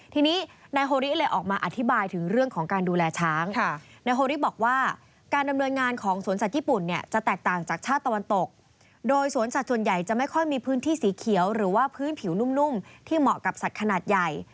ทีนี้นายโฮริเลยออกมาอธิบายถึงเรื่องของการดูแลช้างนายโฮริบอกว่าการดำเนินงานของสวนสัตว์ญี่ปุ่นเนี่ยจะแตกต่างจากชาติตะวันตกโดยสวนสัตว์ส่วนใหญ่จะไม่ค่อยมีพื้นที่สีเขียวหรือว่าพื้นผิวนุ่มที่เหมาะกับสัตว์ขนาดใหญ่